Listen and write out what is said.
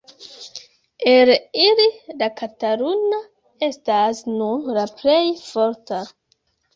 El ili, la kataluna estas nun la plej forta.